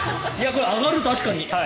これ、上がる確かに。